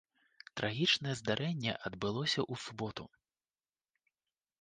Трагічнае здарэнне адбылося ў суботу.